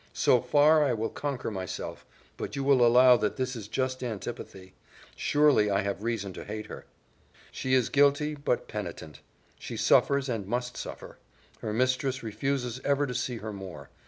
"So far I will conquer myself; but you will allow that this is a just antipathy. Surely I have reason to hate her." "She is guilty, but penitent; she suffers and must suffer. Her mistress refuses ever to see her more.